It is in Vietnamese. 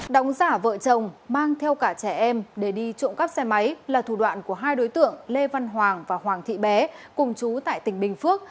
đóng giả vợ chồng mang theo cả trẻ em để đi trộm cắp xe máy là thủ đoạn của hai đối tượng lê văn hoàng và hoàng thị bé cùng chú tại tỉnh bình phước